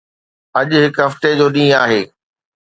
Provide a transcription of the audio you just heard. اڄ هڪ هفتي جو ڏينهن آهي.